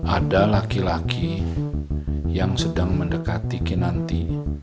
ada laki laki yang sedang mendekati kinanti